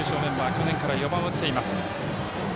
去年から４番を打っています。